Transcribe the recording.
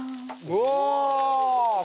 うわ！